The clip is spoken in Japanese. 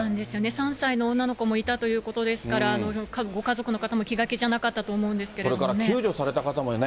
３歳の女の子もいたということですから、ご家族の方も、気が気じゃなかったと思うんですけどね。